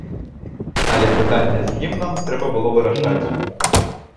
Але пытанне з гімнам трэба было вырашаць.